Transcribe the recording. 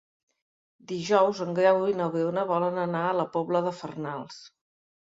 Dijous en Grau i na Bruna volen anar a la Pobla de Farnals.